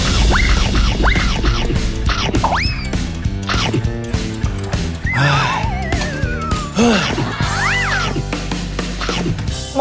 ทุกคนมีความรัก